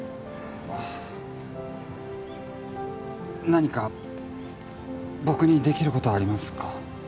何か僕にできることありますか？